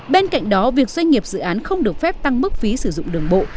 bên cạnh đó việc doanh nghiệp dự án không được phép tăng mức phí sử dụng đường bộ